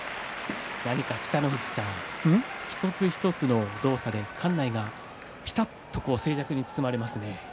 北の富士さん一つ一つの動作で館内がぴたっと静寂に包まれます。